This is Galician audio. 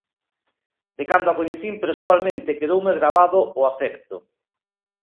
De cando a coñecín persoalmente quedoume gravado o afecto.